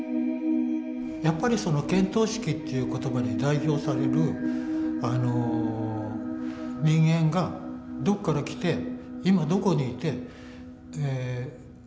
やっぱり見当識っていう言葉に代表される人間がどっから来て今どこにいてええ